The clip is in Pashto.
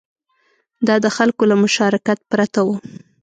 دا د خلکو له مشارکت پرته و